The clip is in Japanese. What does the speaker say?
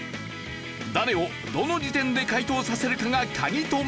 誰をどの時点で解答させるかが鍵となる。